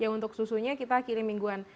untuk susunya kita kirim mingguan